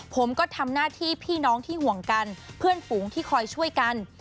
ผมก็ทำหน้าที่พี่น้องที่ห่วงกันเพื่อนฝูงที่คอยช่วยกัน